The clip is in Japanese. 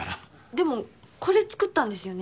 でもこれ作ったんですよね？